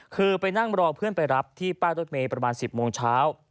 คือไปนั่งรอเพื่อนไปรับที่ป้ายรถเมย์ประมาณ๑๐โมงเช้า